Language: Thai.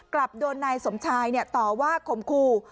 กลับโดนนายสมชายต่อว่าขมครู